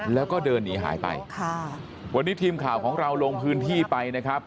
แล้วก็เดินหนีหายไปค่ะวันนี้ทีมข่าวของเราลงพื้นที่ไปนะครับ